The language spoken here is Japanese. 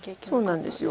そうなんです。